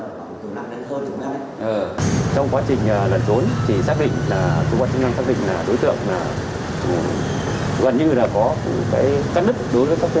trong quá trình lần bốn chỉ xác định là cơ quan chính năng xác định là đối tượng gần như là có cái cắt đứt